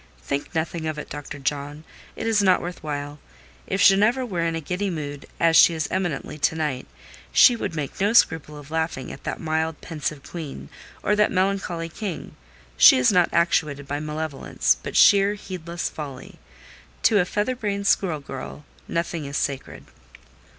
"Think nothing of it, Dr. John: it is not worth while. If Ginevra were in a giddy mood, as she is eminently to night, she would make no scruple of laughing at that mild, pensive Queen, or that melancholy King. She is not actuated by malevolence, but sheer, heedless folly. To a feather brained school girl nothing is sacred."